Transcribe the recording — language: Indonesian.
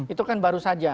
itu kan baru saja